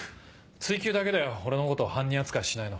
『追求』だけだよ俺のことを犯人扱いしないの。